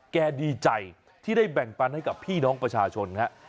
ดีใจที่ได้แบ่งปันให้กับพี่น้องประชาชนครับ